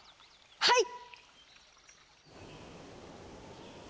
はい！